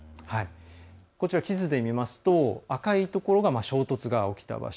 こちら、地図で見ますと赤いところが衝突が起きた場所。